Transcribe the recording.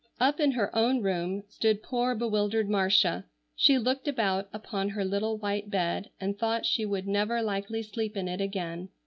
Up in her own room stood poor bewildered Marcia. She looked about upon her little white bed, and thought she would never likely sleep in it again.